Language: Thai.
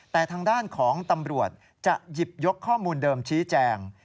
แต่ทางด้านของตำรวจจะหยิบยกข้อมูลเดิมชี้แจง